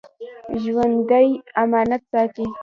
ژوندي امانت ساتي